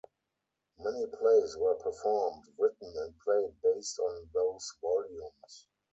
Many plays were performed, written, and played based on those volumes.